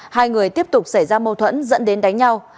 hai người tiếp tục xảy ra mâu thuẫn dẫn đến đánh nhau